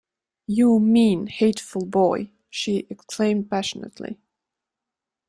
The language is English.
“You mean, hateful boy!” she exclaimed passionately.